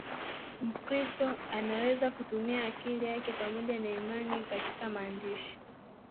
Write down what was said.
Mkristo anaweza kutumia akili yake pamoja na imani Katika maandishi